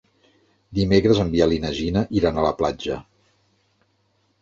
Dimecres en Biel i na Gina iran a la platja.